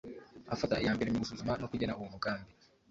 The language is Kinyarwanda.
afata iya mbere mu gusuzuma no kugena uwo mugambi